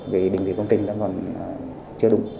vì định vị công trình đã còn chưa đúng